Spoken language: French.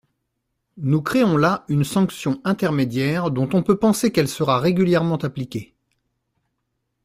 Nous créons là une sanction intermédiaire dont on peut penser qu’elle sera régulièrement appliquée.